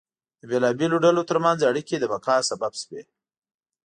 د بېلابېلو ډلو ترمنځ اړیکې د بقا سبب شوې.